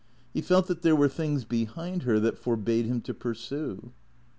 He felt that there were things behind her that forbade him to pursue.